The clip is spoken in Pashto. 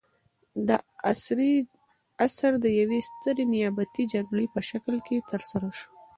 دا د عصر د یوې سترې نیابتي جګړې په شکل کې ترسره شوه.